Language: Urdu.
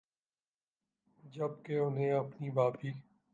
جب کہ انہیں اپنی بھابھی